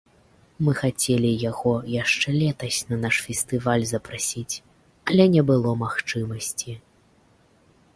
Мы хацелі яго яшчэ летась на наш фестываль запрасіць, але не было магчымасці.